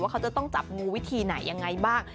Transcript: เขาจะต้องจับงูวิธีไหนยังไงบ้าง